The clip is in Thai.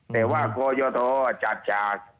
แต่ว่าโคยโทษจัดฉาก